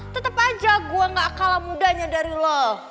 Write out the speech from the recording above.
tetap aja gue gak kalah mudanya dari lo